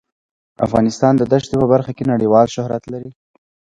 افغانستان د دښتې په برخه کې نړیوال شهرت لري.